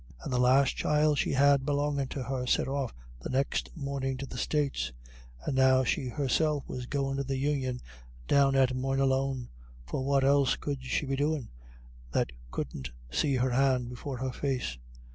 And the last child she had belonging to her set off the next morning to the States. And now she herself was going into the Union down at Moynalone, for what else could she be doing, that couldn't see her hand before her face?